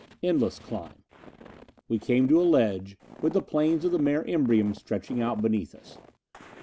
Endless climb! We came to a ledge, with the plains of the Mare Imbrium stretching out beneath us.